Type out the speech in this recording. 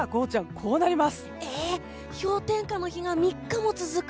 こうなります。